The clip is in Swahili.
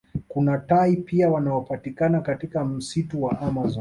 Kuna tai pia wanaopatikana katika msitu wa amazon